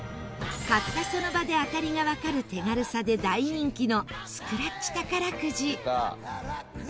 買ったその場で当たりがわかる手軽さで大人気のスクラッチ宝くじ。